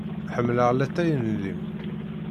Ḥemmeleɣ llatay n llim.